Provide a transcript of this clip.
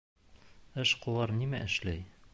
Эшҡыуар нимә эшләй?